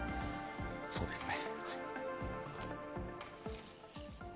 そうですね。